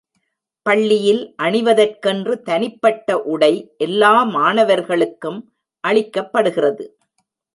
பள்ளியில் அணிவதற்கென்று தனிப்பட்ட உடை எல்லா மாணவர்களுக்கும் அளிக்கப்படுகிறது.